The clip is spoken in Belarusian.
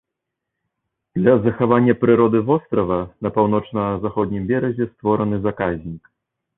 Для захавання прыроды вострава на паўночна-заходнім беразе створаны заказнік.